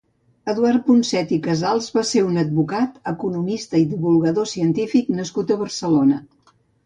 Eduard Punset i Casals va ser un advocat, economista i divulgador científic nascut a Barcelona.